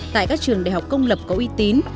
tại các trường đại học công lập có uy tín